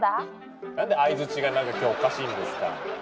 何で相づちがなんか今日おかしいんですか。